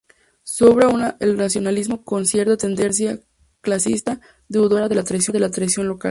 Su obra aúna el racionalismo con cierta tendencia clasicista deudora de la tradición local.